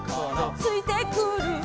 「ついてくる」